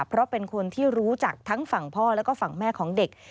เพราะเป็นคนที่รู้จักทั้งฝั่งพ่อแล้วก็ฝั่งแม่ของเด็ก